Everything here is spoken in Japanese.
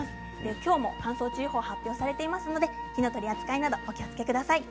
今日も乾燥注意報発表されていますので、火の取り扱いなどお気をつけください。